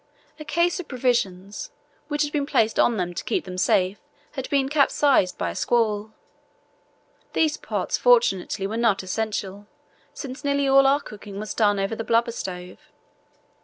A case of provisions which had been placed on them to keep them safe had been capsized by a squall. These pots, fortunately, were not essential, since nearly all our cooking was done over the blubber stove.